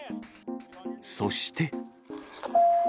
そして。